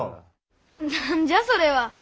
何じゃそれは。